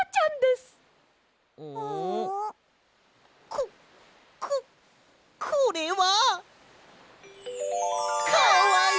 こここれは！かわいい！